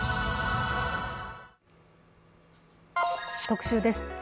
特集です。